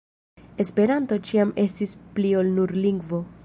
Esperanto ĉiam estis pli ol nur lingvo.